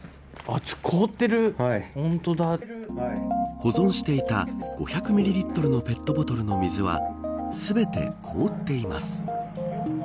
保存していた５００ミリリットルのペットボトルの水は全て凍っています。